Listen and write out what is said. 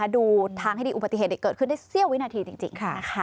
ดูทางให้ดีอุบัติเหตุเกิดขึ้นได้เสี้ยววินาทีจริง